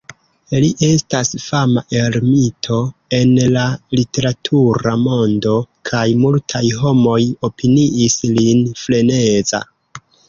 Li estas fama ermito en la literatura mondo, kaj multaj homoj opiniis lin freneza.